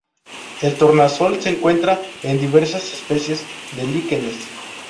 El tornasol se encuentra en diversas especies de líquenes.